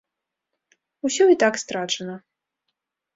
Усё і так страчана.